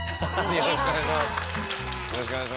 よろしくお願いします。